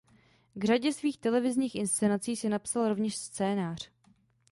K řadě svých televizních inscenací si napsal rovněž scénář.